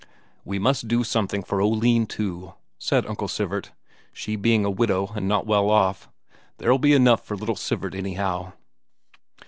"We must do something for Oline, too," said Uncle Sivert, "she being a widow and not well off. There'll be enough for little Sivert, anyhow."